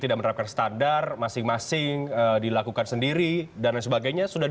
tidak menerapkan standar masing masing dilakukan sendiri dan lain sebagainya sudah